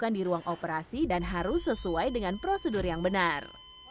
yang di ruang operasi dan harus sesuai dengan prosedur yang benar